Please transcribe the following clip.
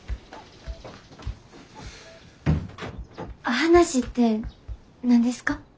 話って何ですか？